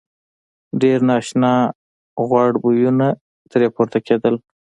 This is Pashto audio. ډېر نا آشنا غوړ بویونه ترې پورته کېدل.